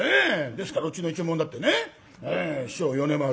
ですからうちの一門だってね師匠米丸。